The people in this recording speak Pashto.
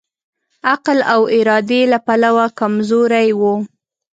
عقل او ارادې له پلوه کمزوری وو.